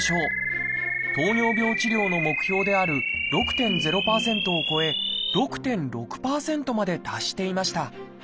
糖尿病治療の目標である６．０％を超え６．６％まで達していました。